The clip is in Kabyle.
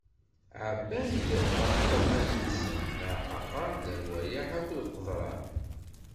Ɛebban-d ɣef ileɣman-nsen leɛqaqer, lerwayeḥ akked qeḍran.